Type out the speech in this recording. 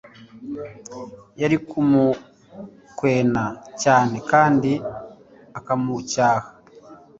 yari kumukwena cyane kandi ikamucyaha.